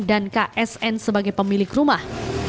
dan ksn sebagai pemilik rumah